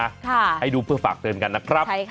ค่ะใช่ค่ะให้ดูเพื่อฝากเตือนกันนะครับ